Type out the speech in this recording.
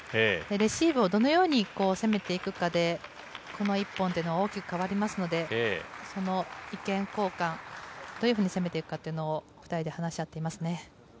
レシーブをどのように攻めていくかでこの１本というのは大きく変わりますので意見交換、どういうふうに攻めていくのかを２人で話し合っていますね。